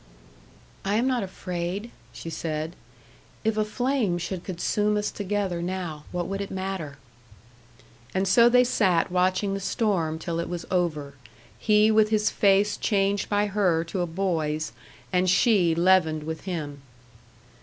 "I am not afraid," she said. "If a flame should consume us together now, what would it matter?" And so they sat watching the storm till it was over, he with his face changed by her to a boy's, and she leavened with him.